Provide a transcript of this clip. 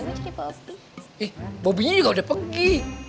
eh bopinya juga udah pergi